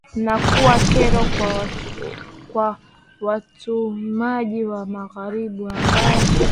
na kuwa kero kwa watumiaji wa magari ambao